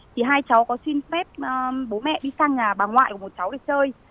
thì hai cháu có xin phép bố mẹ đi sang nhà bà ngoại của một cháu để chơi